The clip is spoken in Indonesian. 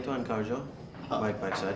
tuan karjo baik baik saja